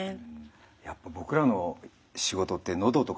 やっぱ僕らの仕事ってのどとか